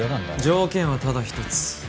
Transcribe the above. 条件はただ１つ。